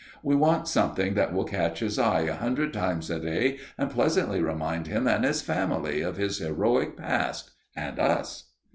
We want something that will catch his eye a hundred times a day and pleasantly remind him and his family of his heroic past and us."